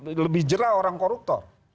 orang yang pak lebih jerah orang koruptor